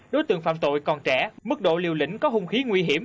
đối tượng phạm tội còn trẻ mức độ liều lĩnh có hung khí nguy hiểm